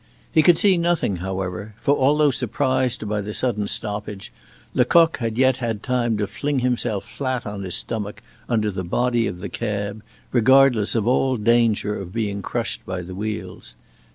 He could see nothing, however, for although surprised by the sudden stoppage, Lecoq had yet had time to fling himself flat on his stomach under the body of the cab, regardless of all danger of being crushed by the wheels.